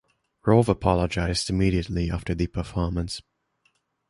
Rove apologized immediately after the performance.